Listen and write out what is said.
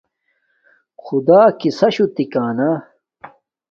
خدݳ کِسَشُݸ ٹھَکݳ نݳ.